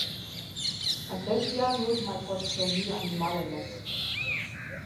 Aceștia nu își mai pot hrăni animalele.